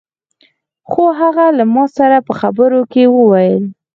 خو هغه له ما سره په خبرو کې وويل.